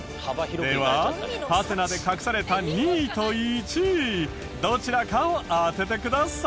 ではハテナで隠された２位と１位どちらかを当ててください。